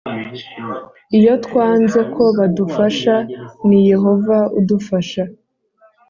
Iyo twanze ko badufasha ni Yehova udufasha